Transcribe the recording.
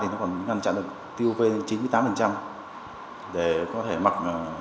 nó còn ngăn chặn được tiêu v chín mươi tám để có thể mặc